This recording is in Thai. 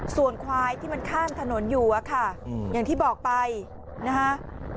ส่วนควายที่มันข้ามถนนอยู่อะค่ะอย่างที่บอกไปนะคะ